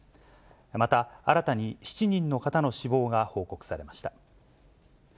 また新たに７人の方の死亡が報告されました。